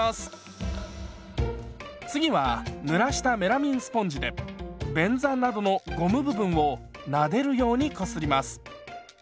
次はぬらしたメラミンスポンジで便座などのゴム部分をなでるようにこすります。